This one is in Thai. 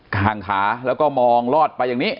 กลางขาแล้วก็มองลอดไปอย่างนี้